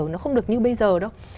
nó không được như bây giờ đâu